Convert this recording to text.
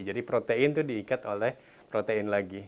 jadi protein itu diikat oleh protein lagi